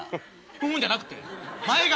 フッじゃなくて前髪。